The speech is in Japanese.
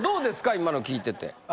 今の聞いてて。